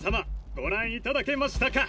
ご覧いただけましたか？